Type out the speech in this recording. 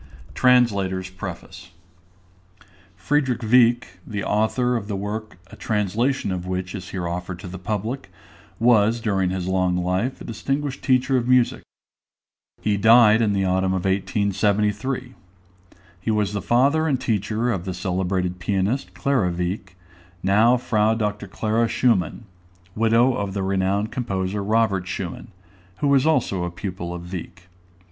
_ TRANSLATOR'S PREFACE. FRIEDRICH WIECK, the author of the work a translation of which is here offered to the public, was during his long life a distinguished teacher of music. He died in the autumn of 1873. He was the father and teacher of the celebrated pianist, Clara Wieck, now Fr. Dr. Clara Schumann, widow of the renowned composer Robert Schumann, who was also a pupil of Wieck.